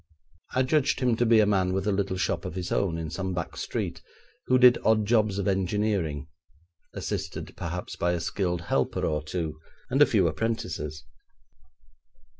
I judged him to be a man with a little shop of his own in some back street, who did odd jobs of engineering, assisted perhaps by a skilled helper or two, and a few apprentices.